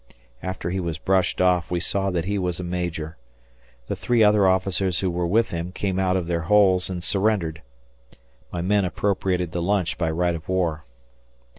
After he was brushed off, we saw that he was a major. The three other officers who were with him came out of their holes and surrendered. My men appropriated the lunch by right of war.